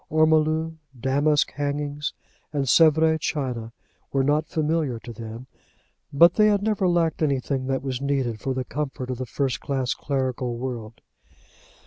Ormolu, damask hangings, and Sevres china were not familiar to them; but they had never lacked anything that is needed for the comfort of the first class clerical world.